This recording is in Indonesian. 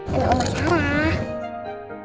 dan oma sarah